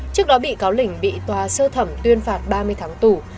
trước đó bị cáo lình bị tòa sơ thẩm tuyên phạt ba mươi tháng tù